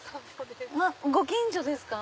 ご近所ですか？